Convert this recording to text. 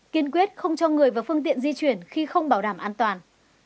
kiên quyết không cho người và phương tiện di chuyển khi không bảo đảm an toàn